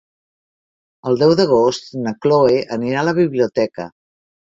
El deu d'agost na Cloè anirà a la biblioteca.